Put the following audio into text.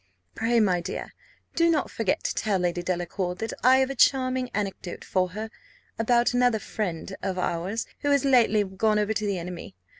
Pray, my dear, do not forget to tell Lady Delacour, that I have a charming anecdote for her, about another friend of ours, who has lately gone over to the enemy.